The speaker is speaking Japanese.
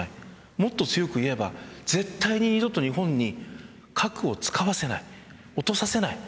もっと強く言えば絶対に二度と日本に核を使わせない、落とさせない。